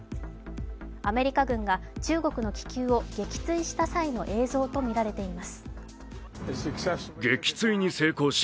アメリカ軍が中国の気球を撃墜した際の映像とみられています。